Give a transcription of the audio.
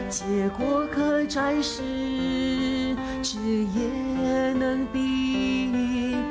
เจอก็เกิดใจสิจิเยนังบี